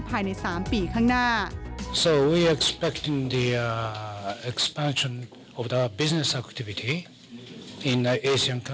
ภายใน๓ปีข้างหน้า